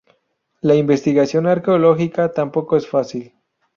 La investigación arqueológica tampoco es fácil.